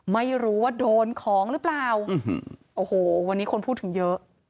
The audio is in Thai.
ไม่รู้ว่าโดนของหรือเปล่าโอ้โหวันนี้คนพูดถึงเยอะ